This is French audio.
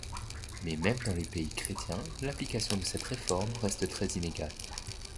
Mais même dans les pays chrétiens, l'application de cette réforme reste très inégale.